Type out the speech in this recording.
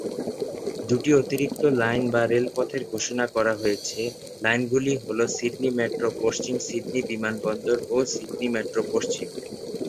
দুটি অতিরিক্ত লাইন বা রেলপথের ঘোষণা করা হয়েছে; লাইনগুলি হল সিডনি মেট্রো পশ্চিম সিডনি বিমানবন্দর ও সিডনি মেট্রো পশ্চিম।